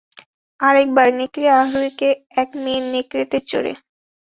আরেকবার, এক নেকড়ে আরোহীকে, এক মেয়ে নেকড়েতে চড়ে।